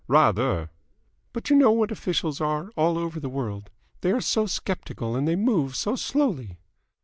"Rather!" "But you know what officials are all over the world. They are so sceptical and they move so slowly."